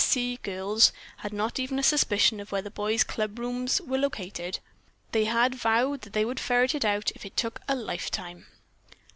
S. C." girls had not even a suspicion of where the boys' clubrooms were located. They had vowed that they would ferrit it out if it took a lifetime.